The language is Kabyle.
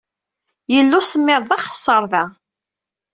Yella usemmiḍ d axeṣṣar da!